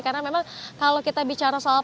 karena memang kalau kita bicara soal pasar